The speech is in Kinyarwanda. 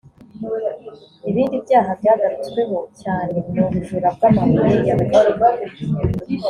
Ibindi byaha byagarutsweho cyane ni ubujura bw’amabuye y’agaciro